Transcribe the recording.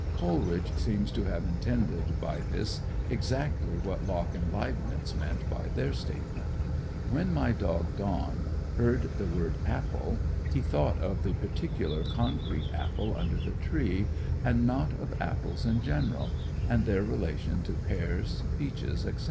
Coleridge seems to have intended by this exactly what Locke and Leibnitz meant by their statement. When my dog Don heard the word "apple," he thought of the particular concrete apple under the tree; and not of apples in general, and their relation to pears, peaches, etc.